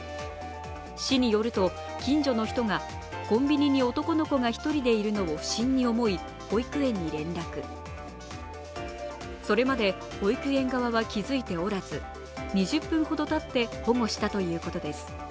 市によると、近所の人がコンビニに男の子が１人でいるのを不審に思いそれまで保育園側は気付いておらず２０分ほどたって保護したということです。